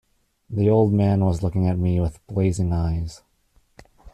The old man was looking at me with blazing eyes.